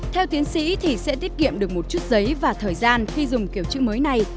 theo tiến sĩ thì sẽ tiết kiệm được một chút giấy và thời gian khi dùng kiểu chữ mới này